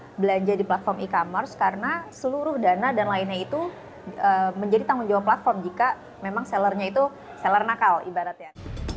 kita belanja di platform e commerce karena seluruh dana dan lainnya itu menjadi tanggung jawab platform jika memang sellernya itu seller nakal ibaratnya